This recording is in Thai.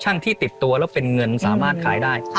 ที่ติดตัวแล้วเป็นเงินสามารถขายได้